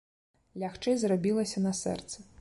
Лягчэй зрабілася на сэрцы.